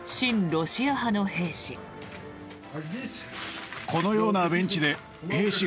ロシア派の兵士。